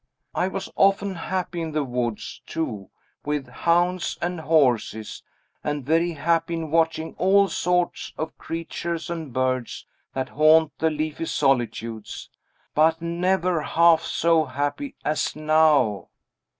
I was often happy in the woods, too, with hounds and horses, and very happy in watching all sorts, of creatures and birds that haunt the leafy solitudes. But never half so happy as now!"